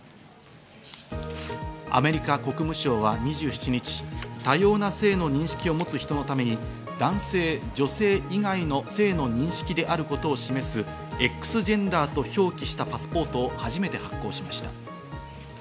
アメリカ国務省は２７日、多様な性の認識を持つ人のために男性、女性以外の性の認識であることを示すＸジェンダーと表記したパスポートを初めて発行しました。